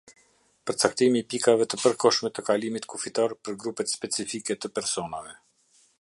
Përcaktimi i pikave te përkohshme te kalimit kufitar për grupet specifike të personave.